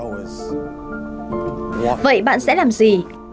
vậy bạn sẽ làm gì